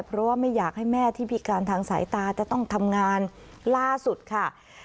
เพราะว่าไม่อยากให้แม่ที่พิการทางสายตาจะต้องทำงานล่าสุดค่ะ